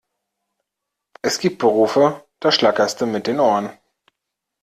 Es gibt Berufe, da schlackerste mit den Ohren!